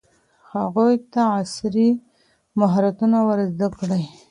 هغوی ته عصري مهارتونه ور زده کړئ.